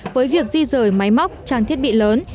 với việc di rời máy móc trang thiết bị lớn